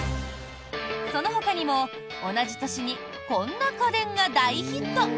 そのほかにも同じ年にこんな家電が大ヒット。